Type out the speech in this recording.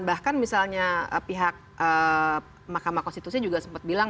bahkan misalnya pihak mahkamah konstitusi juga sempat bilang